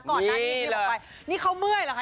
ก่อนหน้านี้อย่างที่บอกไปนี่เขาเมื่อยเหรอคะ